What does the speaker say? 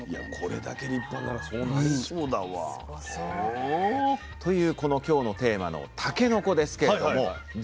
これだけ立派ならそうなりそうだわ。というこの今日のテーマのたけのこですけれども実はですね